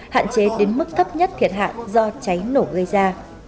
hạn chế đến mức thấp nhất thiệt hại do cháy nổ gây ra